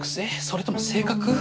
それとも性格？